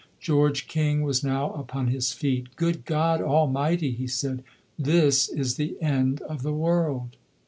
George King was now upon his feet. "Good God Almighty!" he said, "this is the end of the world!"